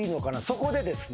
そこでですね